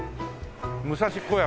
武蔵小山。